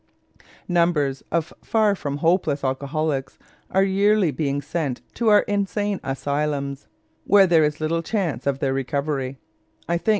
Numbers of far from hopeless alcoholics are yearly being sent to our insane asylums, where there is little chance of their recovery, I think.